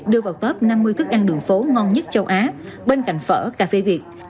đưa vào top năm mươi thức ăn đường phố ngon nhất châu á bên cạnh phở cà phê việt